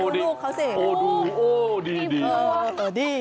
อ่อดีดูอ่อดี